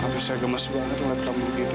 terima kasih banyak untuk hati kamu begitu